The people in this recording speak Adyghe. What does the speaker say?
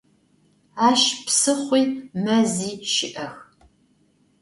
Aş psıxhui mezi şı'ex.